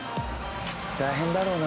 大変だろうな。